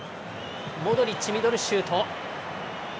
モドリッチミドルシュート。